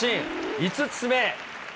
５つ目。